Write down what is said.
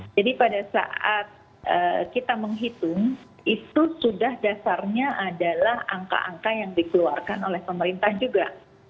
jadi pada saat kita menghitung itu sudah dasarnya adalah angka angka yang dikeluarkan oleh pemerintah juga